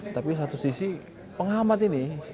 tapi satu sisi pengamat ini